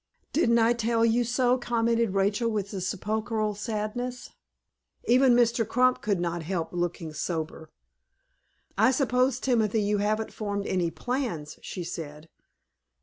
"Didn't I tell you so?" commented Rachel, with sepulchral sadness. Even Mr. Crump could not help looking sober. "I suppose, Timothy, you haven't formed any plans," she said.